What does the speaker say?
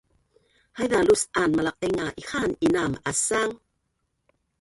haiza lus’an Malaqtainga ihaan inaam asang